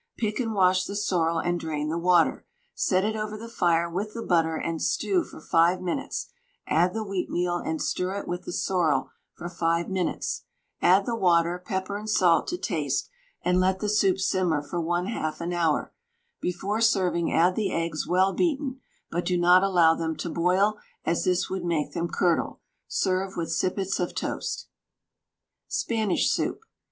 Pick and wash the sorrel and drain the water. Set it over the fire with the butter and stew for 5 minutes, add the wheatmeal, and stir it with the sorrel for 5 minutes; add the water, pepper and salt to taste, and let the soup simmer for 1/2 an hour; before serving add the eggs well beaten, but do not allow them to boil, as this would make them curdle; serve with sippets of toast. SPANISH SOUP.